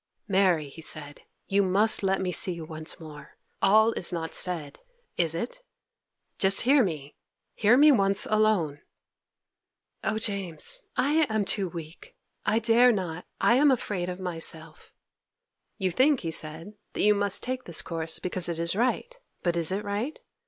'Mary,' he said, 'you must let me see you once more. All is not said! is it? Just hear me—hear me once alone!' 'Oh, James! I am too weak! I dare not! I am afraid of myself.' 'You think,' he said, 'that you must take this course, because it is right; but is it right?